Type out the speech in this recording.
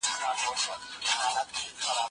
دا وه زموږ د کلتور یوه لنډه ننداره.